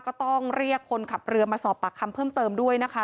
ก็ต้องเรียกคนขับเรือมาสอบปากคำเพิ่มเติมด้วยนะคะ